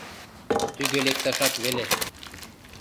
— Тӱгӧ лекташак веле...